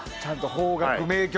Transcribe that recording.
邦楽、名曲。